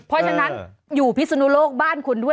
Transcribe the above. เพราะฉะนั้นอยู่พิศนุโลกบ้านคุณด้วย